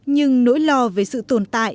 nhưng nỗi lo về sự tồn tại